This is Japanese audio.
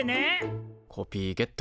コピーゲット。